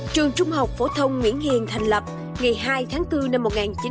trường trung học phổ thông nguyễn hiền thành lập ngày hai tháng bốn năm một nghìn chín trăm bảy mươi